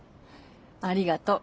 ありがとう。